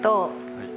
はい。